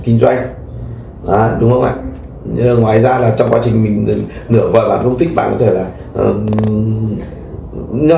kết thúc hợp đồng hai năm sẽ được tám triệu một tháng